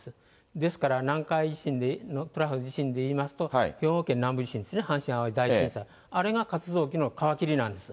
ですから、南海トラフ地震でいいますと、兵庫県南部地震ですね、阪神淡路大震災、あれが活動期の皮切りなんですよ。